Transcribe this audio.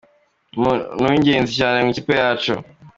"Ni umuntu w'ingenzi cyane mu ikipe yacu.